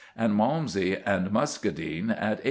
and Malmsey and muscadine at 8d.